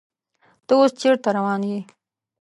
ته اوس چیرته روان یې؟